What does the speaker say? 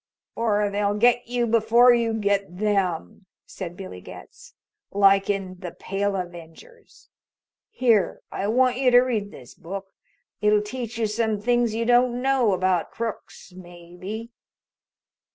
"Or they'll get you before you get them," said Billy Getz. "Like in 'The Pale Avengers.' Here, I want you to read this book. It'll teach you some things you don't know about crooks, maybe."